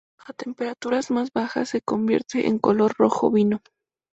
A temperaturas más bajas, se convierte de color rojo vino.